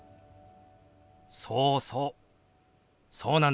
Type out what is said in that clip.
そうそう！